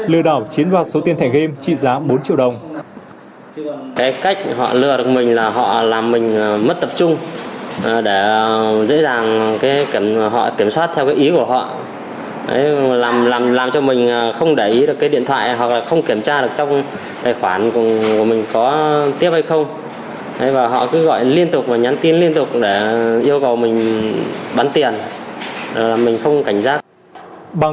lừa đảo chiến vào số tiền thẻ game trị giá một